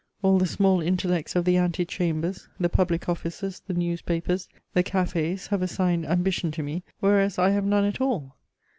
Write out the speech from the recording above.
All the small intellects of the ante chambers, the public offices, the newspapers, the cafés have assigned ambition to me, whereas I have none at all.